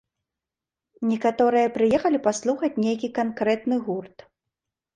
Некаторыя прыехалі паслухаць нейкі канкрэтны гурт.